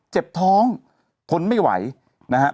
เจ็บท้องทนไม่ไหวนะฮะ